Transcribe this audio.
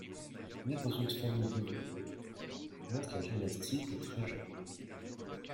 Né dans une famille d'ouvriers, il commence la gymnastique très jeune.